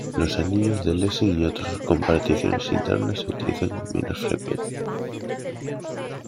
Los anillos de Lessing y otros con particiones internas se utilizan con menos frecuencia.